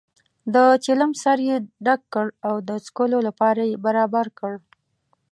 د چلم سر یې ډک کړ او د څکلو لپاره یې برابر کړ.